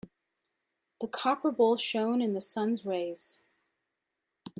The copper bowl shone in the sun's rays.